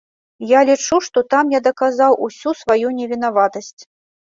Я лічу, што там я даказаў усю сваю невінаватасць.